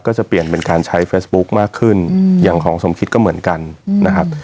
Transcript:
ก็จะเปลี่ยนเป็นการใช้เฟซบุ๊คมากขึ้นอย่างของสมคิดก็เหมือนกันนะครับ